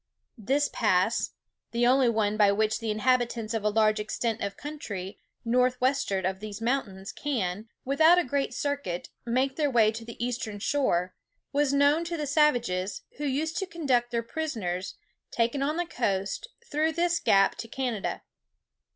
This pass, the only one by which the inhabitants of a large extent of country, north westward of these mountains, can, without a great circuit, make their way to the eastern shore, was known to the savages, who used to conduct their prisoners, taken on the coast, through this gap to Canada.